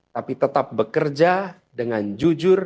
tapi tetap bekerja dengan jujur